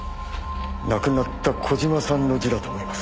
亡くなった小島さんの字だと思います。